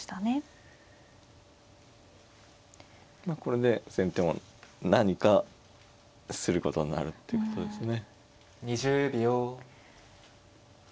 まあこれで先手も何かすることになるっていうことですね。